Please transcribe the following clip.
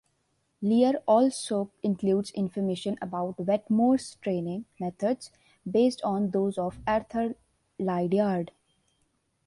Lear also includes information about Wetmore's training methods, based on those of Arthur Lydiard.